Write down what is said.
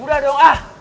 udah dong ah